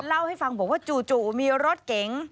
เล่าให้ฟังบอกว่าจู่มีรถเก๋ง